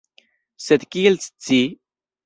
Sed kiel scii?